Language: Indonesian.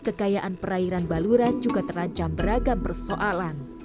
kekayaan perairan baluran juga terancam beragam persoalan